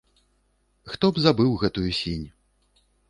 Хто б забыў гэтую сінь?!